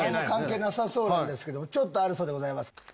関係なさそうなんですけどちょっとあるそうでございます。